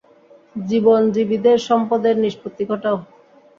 জীবনজীবীদের সম্পদের নিষ্পত্তি ঘটাও।